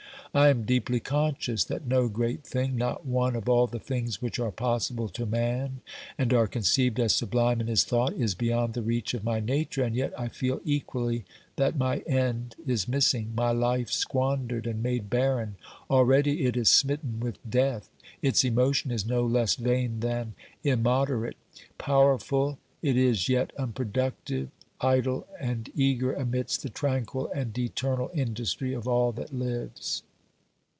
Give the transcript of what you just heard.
I am deeply conscious that no great thing, not one of all the things which are possible to man and are conceived as sublime in his thought, is beyond the reach of my nature, and yet I feel equally that my end is missing, my life squandered and made barren ; already it is smitten with death ; its emotion is no less vain than immoderate ; powerful, it is yet unproductive, idle, and eager amidst the tranquil and eternal industry of all that lives.